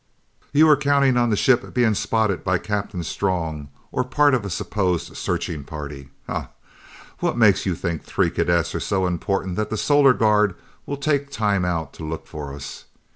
"You were counting on the ship being spotted by Captain Strong or part of a supposed searching party! Ha! What makes you think three cadets are so important that the Solar Guard will take time out to look for us?